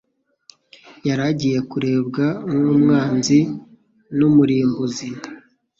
yari agiye kurebwa nk'umwanzi n'umurimbuzi.